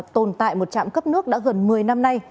tồn tại một trạm cấp nước đã gần một mươi năm nay